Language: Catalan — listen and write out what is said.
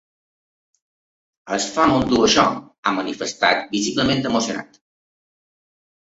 Es fa molt dur això, ha manifestat visiblement emocionat.